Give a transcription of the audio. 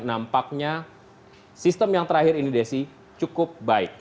nampaknya sistem yang terakhir ini desi cukup baik